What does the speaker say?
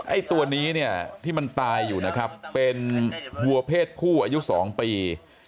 ไอ้ตัวนี้เนี่ยที่มันตายอยู่นะครับเป็นวัวเพศผู้อายุ๒ปี